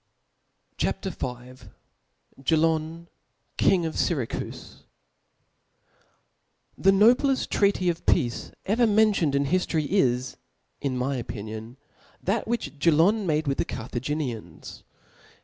CHAP. y. Ge/on, King ofSyracufe. >Tp H E nobleft treaty of peace ever mentioned ^r in hiffory is, in my opinion^ that which Celon' made with the Carthaginians.